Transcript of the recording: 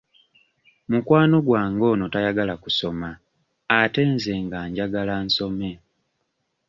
Mukwano gwange ono tayagala kusoma ate nze nga njagala asome.